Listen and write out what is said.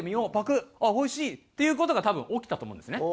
「あっおいしい」っていう事が多分起きたと思うんですね。